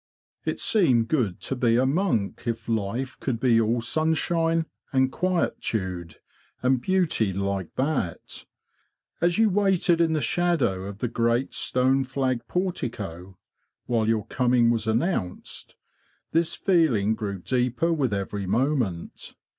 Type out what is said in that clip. It seemed good to be a monk, if life could be all sunshine, and quietude, and beauty like that. As you waited in the shadow of the great stone flagged portico, while your coming was announced, this feeling grew deeper with every moment.